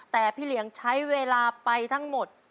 แต่พี่เหลียงใช้เวลาไปทั้งหมด